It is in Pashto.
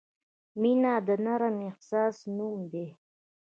• مینه د نرم احساس نوم دی.